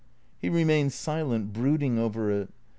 He remained silent, brooding over it.